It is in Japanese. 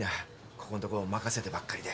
ここのところ任せてばっかりで。